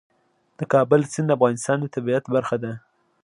د کابل سیند د افغانستان د طبیعت برخه ده.